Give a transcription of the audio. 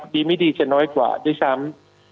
ดีไม่ดีจะน้อยกว่าด้วยซ้ำ